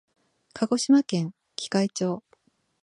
鹿児島県喜界町